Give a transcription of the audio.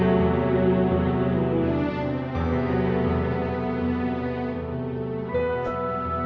aku mau bantuin